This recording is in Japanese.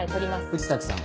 藤崎さん